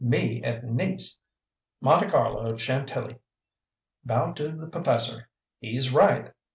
ME at Nice, Monte Carlo, Chantilly bow to the p'fess'r; he's RIGHT!